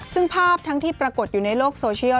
ซึ่งภาพทั้งที่ปรากฏอยู่ในโลกโซเชียล